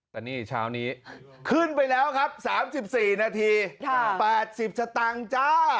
แต่นี่เช้านี้ขึ้นไปแล้วครับ๓๔นาที๘๐สตางค์จ้า